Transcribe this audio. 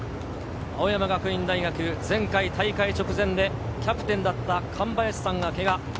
青山学院大学、前回大会直前でキャプテンだった神林さんがけが。